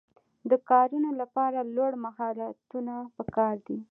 د کارونو لپاره لوړ مهارتونه پکار دي.